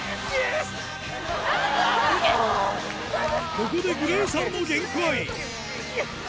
ここでグレイさんも限界。